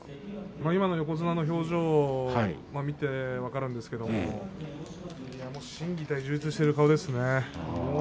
今の横綱の表情を見て分かるんですけれど心技体、充実している顔ですね。